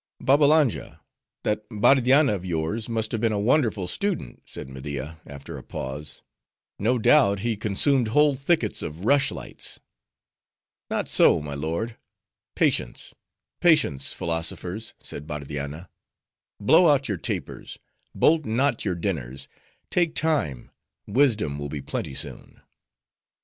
"Babbalanja, that Bardianna of yours must have been a wonderful student," said Media after a pause, "no doubt he consumed whole thickets of rush lights." "Not so, my lord.—'Patience, patience, philosophers,' said Bardianna; 'blow out your tapers, bolt not your dinners, take time, wisdom will be plenty soon.